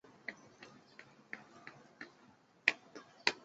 铃木教学法在二十世纪中叶开发与推广的一种音乐教学法及教育哲学。